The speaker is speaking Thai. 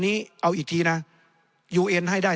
ในทางปฏิบัติมันไม่ได้